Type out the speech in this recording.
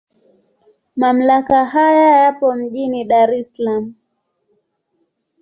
Mamlaka haya yapo mjini Dar es Salaam.